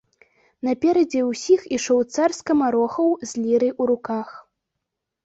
Наперадзе ўсіх ішоў цар скамарохаў з лірай у руках.